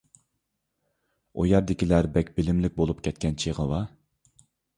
ئۇ يەردىكىلەر بەك بىلىملىك بولۇپ كەتكەن چېغىۋا.